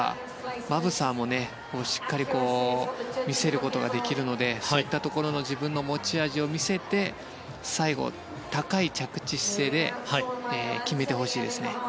バブサーもしっかり見せることができるのでそういったところの自分の持ち味を見せて最後、高い着地姿勢で決めてほしいですね。